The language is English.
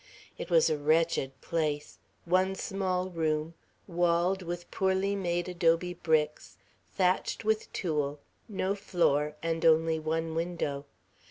It was a wretched place; one small room, walled with poorly made adobe bricks, thatched with tule, no floor, and only one window.